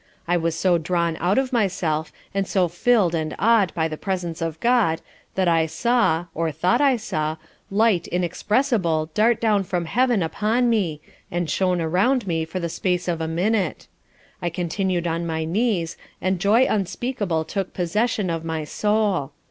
I was so drawn out of myself, and so fill'd and awed by the Presence of God that I saw (or thought I saw) light inexpressible dart down from heaven upon me, and shone around me for the space of a minute. I continued on my knees, and joy unspeakable took possession of my soul.